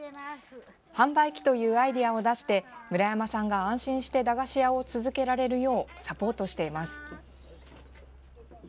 販売機というアイデアを出して村山さんが安心して駄菓子屋を続けられるようサポートしています。